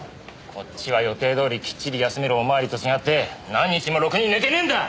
こっちは予定どおりきっちり休めるお巡りと違って何日もろくに寝てねえんだ！